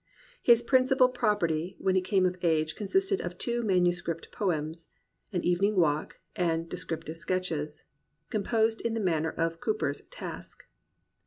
His principal property when he came of age consisted of two manuscript poems, — An Evening Walk and Descriptive Sketches, — com posed in the manner of Cowper's Task.